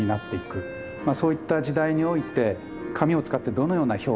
そういった時代において紙を使ってどのような表現が可能になるか。